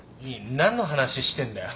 何の話してんだよ。